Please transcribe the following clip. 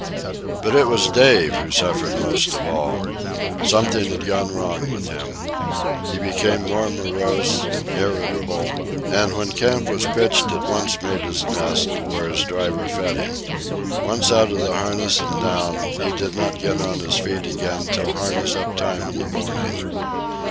But it was Dave who suffered most of all. Something had gone wrong with him. He became more morose and irritable, and when camp was pitched at once made his nest, where his driver fed him. Once out of the harness and down, he did not get on his feet again till harness up time in the morning.